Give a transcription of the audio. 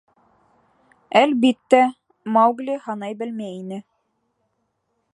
— Әлбиттә, Маугли һанай белмәй ине.